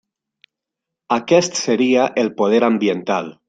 Aquest seria el poder ambiental.